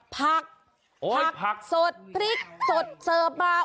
ผักผักสดพริกสดเสิร์ฟมา